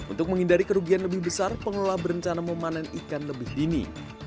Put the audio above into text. untuk menghindari kerugian lebih besar pengelola berencana memanen ikan lebih dini